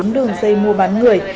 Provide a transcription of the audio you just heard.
bốn đường dây mua bán người